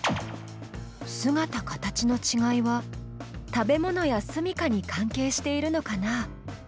姿形のちがいは食べ物や住みかに関係しているのかな？